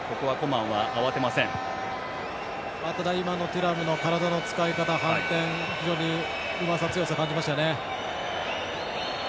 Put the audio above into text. テュラムの体の使い方反転、非常にうまさ、強さを感じましたね。